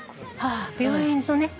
ああ病院のね。